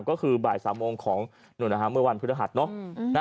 ก็คือบ่าย๓โมงของหนุ่นเมื่อวันพฤติฮัตร